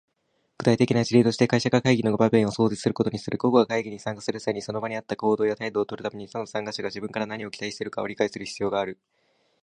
具体的な事例として、会社の会議の場面を想定することにする。個々が会議に参加する際に、その場に合った行動や態度をとるために、他の参加者が自分から何を期待しているかを理解する必要がある。